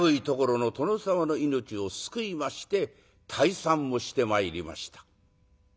ところの殿様の命を救いまして退散をしてまいりました。